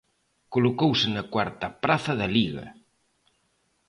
Colocouse na cuarta praza da Liga.